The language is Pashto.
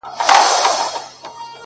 زما غنمرنگه! زما لونگه ځوانې وغوړېده!